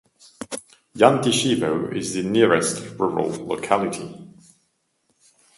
Yantyshevo is the nearest rural locality.